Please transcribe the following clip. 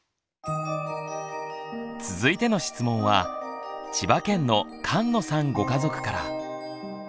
続いての質問は千葉県の菅野さんご家族から。